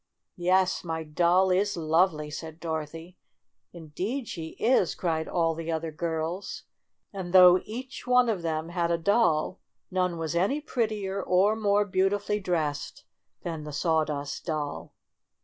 "Yes, my doll is lovely!" said Dorothy. "Indeed she is!" cried all the other girls. And though each one of them had a doll, none was any prettier or more beau tifully dressed than the Sawdust Doll.